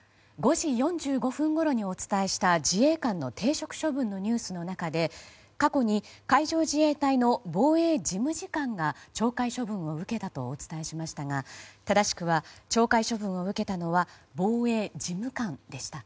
５時４５分ごろにお伝えした自衛官の停職処分のニュースの中で、過去に海上自衛隊の防衛事務次官が懲戒処分を受けたとお伝えしましたが正しくは懲戒処分を受けたのは防衛事務官でした。